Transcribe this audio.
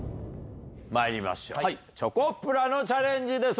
まいりましょうチョコプラのチャレンジです